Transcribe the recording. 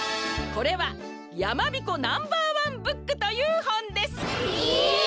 これは「やまびこナンバーワンブック」というほんです！え！？